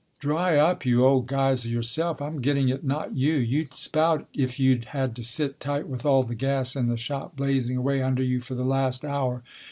" Dry up, you old Geyser, yourself. I'm getting it, not you. You'd spout if you'd had to sit tight with all the gas in the shop blazing away under you for the last hour.